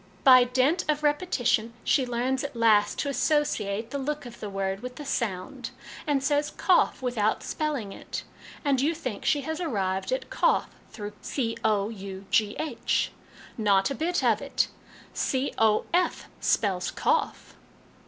By dint of repetition, she learns at last to associate the look of the word with the sound, and says 'cough' without spelling it; and you think she has arrived at ' cough ' through cough. Not a bit of it ; c o f spells cough